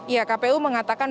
iya kpu mengatakan